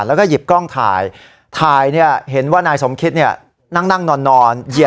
แล้วเราก็คอยระวังว่าถ้ามันลงไปอะไรอย่างนี้